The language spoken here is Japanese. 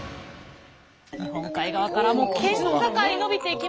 日本海側から県境延びていきまして。